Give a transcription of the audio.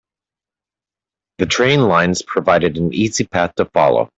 The train lines provided an easy path to follow.